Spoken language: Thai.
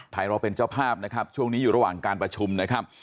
เราเป็นเจ้าภาพนะครับช่วงนี้อยู่ระหว่างการประชุมนะครับ